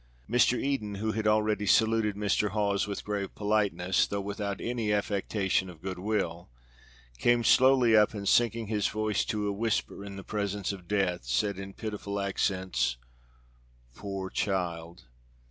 Mr. Eden, who had already saluted Mr. Hawes with grave politeness, though without any affectation of good will, came slowly up, and sinking his voice to a whisper in presence of death said in pitiful accents, "Poor child!